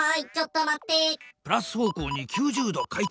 プラス方向に９０度回転。